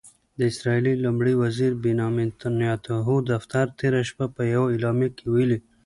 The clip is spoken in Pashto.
د اسرائیلي لومړي وزیر بنیامن نتنیاهو دفتر تېره شپه په یوه اعلامیه کې ویلي